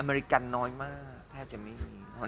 อเมริกานน้อยแทบจะไม่มีเลย